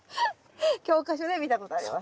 教科書で見たことあります。